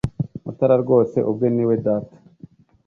Mutara rwose ubwe ni we data